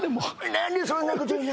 何でそんなこと言うんだ。